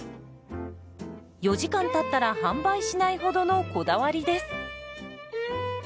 ４時間たったら販売しないほどのこだわりです。